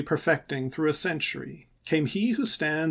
perfecting through a century, came he who stands ch.